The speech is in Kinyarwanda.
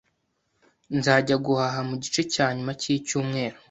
Nzajya guhaha mugice cyanyuma cyicyumweru